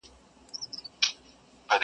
زما پر ښکلي اشنا وایه سلامونه؛